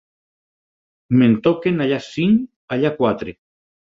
Me'n toquen allà cinc, allà quatre.